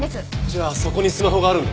じゃあそこにスマホがあるんだ。